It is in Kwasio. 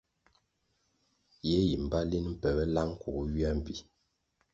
Ye yi mbpa linʼ mpebe lang kugu ywia mbpi.